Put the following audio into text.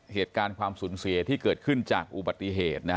เหตุการณ์ความสูญเสียที่เกิดขึ้นจากอุบัติเหตุนะฮะ